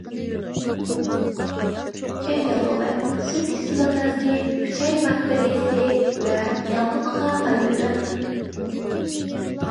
ئۈچەي ياللۇغى: سۈت كىسلاتاسى ئۈچەي باكتېرىيەسى ۋە ياللۇغىغا پايدىلىق.